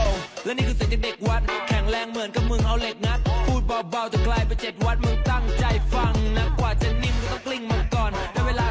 ไม่มีเครื่องเผ็ดแวววาวแต่กูจำให้จ้าจอบคร่าว